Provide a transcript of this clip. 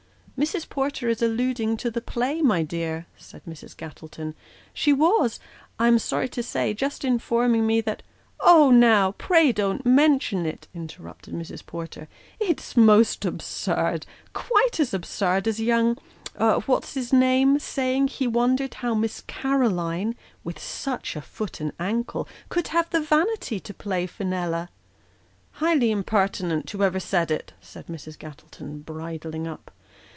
" Mrs. Porter is alluding to the play, my dear," said Mrs. Gattleton ;" she was, I am sorry to say, just informing mo that " Oh, now pray don't mention it," interrupted Mrs. Porter ;" it's most absurd quite as absurd as young What's his name saying he wondered how Miss Caroline, with such a foot and ankle, could have the vanity to play Fenella." " Highly impertinent, whoever said it," said Mrs. Gattleton, bridling up.